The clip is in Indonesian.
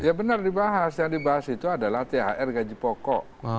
ya benar dibahas yang dibahas itu adalah thr gaji pokok